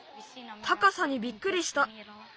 たかさにびっくりした。